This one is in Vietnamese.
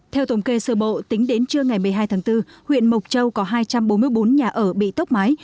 theo tổng kê sơ bộ tính đến trưa ngày một mươi hai tháng bốn huyện mộc châu có hai trăm bốn mươi bốn nhà ở bị tốc mái